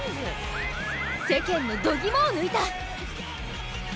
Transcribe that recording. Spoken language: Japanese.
世間のどぎもを抜いた。